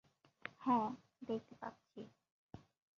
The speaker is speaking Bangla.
হ্যাঁ, দেখতে পাচ্ছি।